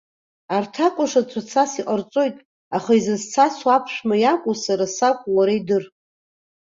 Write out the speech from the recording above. Арҭ акәашацәа цас иҟарҵоит, аха изызцасуа аԥшәма иакәу, сара сакәу уара идыр.